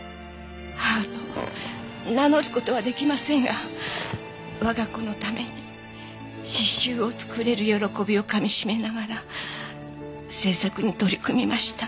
母と名乗る事は出来ませんが我が子のために刺繍を作れる喜びを噛み締めながら制作に取り組みました。